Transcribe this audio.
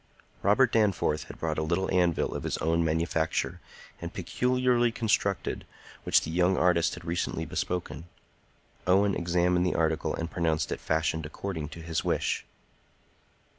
Robert Danforth had brought a little anvil of his own manufacture, and peculiarly constructed, which the young artist had recently bespoken. Owen examined the article and pronounced it fashioned according to his wish.